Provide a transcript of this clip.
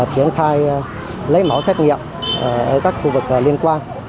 triển khai lấy mẫu xét nghiệm ở các khu vực liên quan